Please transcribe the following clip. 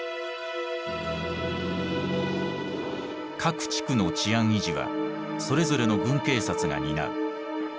各地区の治安維持はそれぞれの軍警察が担う。